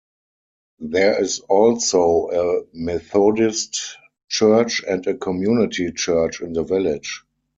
There is also a Methodist church and a Community church in the village.